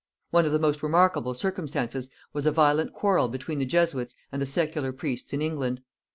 One of the most remarkable circumstances was a violent quarrel between the Jesuits and the secular priests in England.